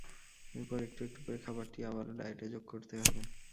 এরপর একটু একটু করে খাবারটি আবারও ডায়েটে যোগ করতে হবে।